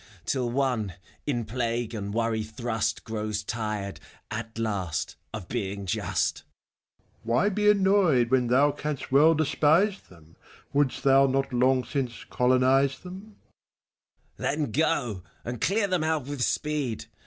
Till one, in plague and worry thrust Grows tired, at last, of being just. IIEPHISTOPHELES. Why be annoyed, when thou canst well despise themt Wouldst thou not long since colonize themt ACT F. 231 FAUST. Then go, and clear them out with speed